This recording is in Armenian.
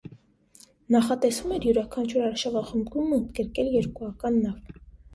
Նախատեսվում էր յուրաքանչյուր արշավախմբում ընդգրկել երկուական նավ։